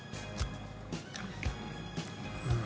うん。